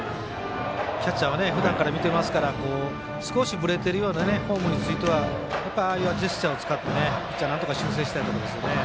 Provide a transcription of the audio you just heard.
キャッチャーはふだんから見てますから少し、ぶれてるようなフォームについてはああいうジェスチャーを使ってピッチャー、なんとか修正したいところですよね。